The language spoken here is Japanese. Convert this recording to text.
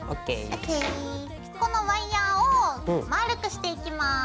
このワイヤーをまぁるくしていきます。